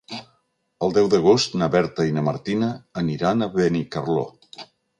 El deu d'agost na Berta i na Martina aniran a Benicarló.